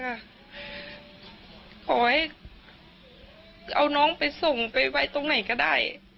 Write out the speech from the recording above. ขอให้เอาน้องไปส่งไปไว้ตรงไหนก็ได้